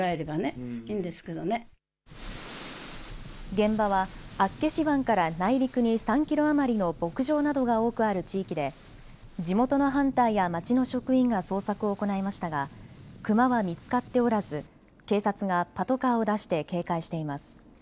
現場は厚岸湾から内陸に３キロ余りの牧場などが多くある地域で地元のハンターや町の職員が捜索を行いましたがクマは見つかっておらず警察がパトカーを出して警戒しています。